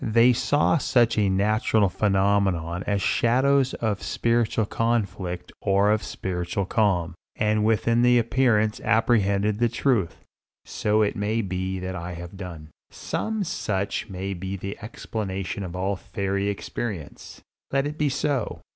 They saw such natural phenomena as shadows of spiritual conflict or of spiritual calm, and within the appearance apprehended the truth. So it may be that I have done. Some such may be the explanation of all fairy experience. Let it be so.